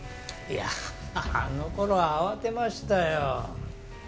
いやああの頃は慌てましたよ。